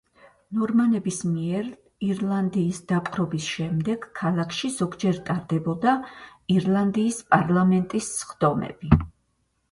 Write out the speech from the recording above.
ნორმანების მიერ ირლანდიის დაპყრობის შემდეგ ქალაქში ზოგჯერ ტარდებოდა ირლანდიის პარლამენტის სხდომები.